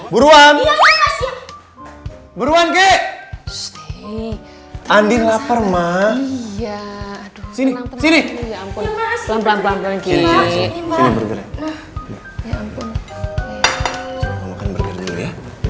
buruan buruan ke anding lapar maaf sini sini